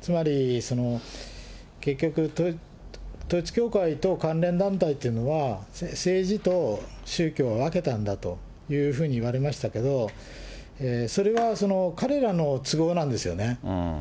つまり、結局、統一教会と関連団体というのは、政治と宗教を分けたんだというふうに言われましたけれども、それは彼らの都合なんですよね。